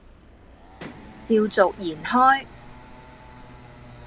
笑逐言開